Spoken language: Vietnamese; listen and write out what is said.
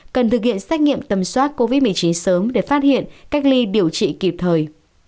cần thực hiện xét nghiệm tầm soát covid một mươi chín sớm để phát hiện cách ly điều trị kịp thời